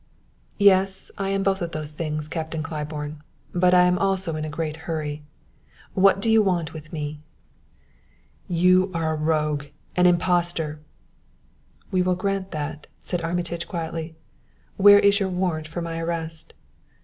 "Yes; I am both those things, Captain Claiborne. But I am also in a great hurry. What do you want with me?" "You are a rogue, an impostor " "We will grant that," said Armitage quietly. "Where is your warrant for my arrest?"